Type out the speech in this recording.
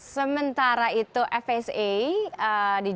sementara itu fsa dijual